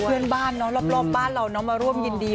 แล้วเพื่อนบ้านรอบบ้านเรามาร่วมยินดี